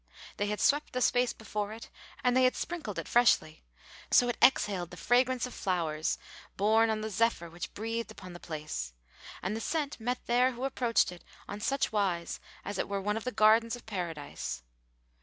They had swept the space before it and they had sprinkled it freshly; so it exhaled the fragrance of flowers, borne on the zephyr which breathed upon the place; and the scent met there who approached it on such wise as it were one of the gardens of Paradise.